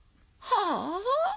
はあ！？